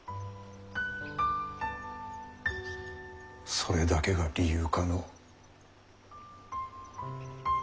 それだけが理由かの。